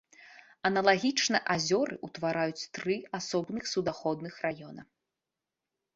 Аналагічна азёры ўтвараюць тры асобных суднаходных раёна.